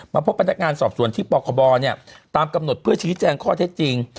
พบพนักงานสอบส่วนที่ปคบตามกำหนดเพื่อชี้แจงข้อเท็จจริง